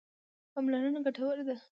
پاملرنه ګټوره ده.